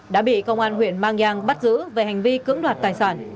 đã bị công an huyện mang giang bắt giữ về hành vi cưỡng đoạt tài sản